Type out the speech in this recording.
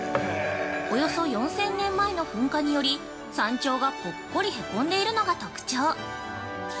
およそ４０００年前の噴火により、山頂がぽっこりへこんでいるのが特徴。